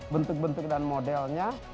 bentuk bentuk dan modelnya